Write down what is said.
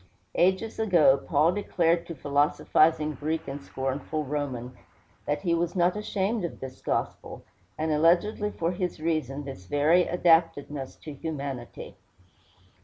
Ages ago, Paul declared to philosophizing Greek and scornful Roman that he was not ashamed of this gospel, and alleged for his reason this very adaptedness to humanity.